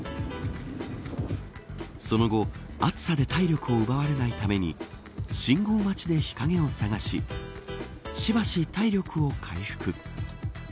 その後、暑さで体力を奪われないために信号待ちで日陰を探ししばし、体力を回復。